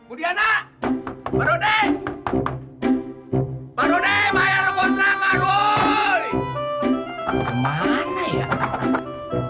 mudiana badai badai bayar kontrak aduh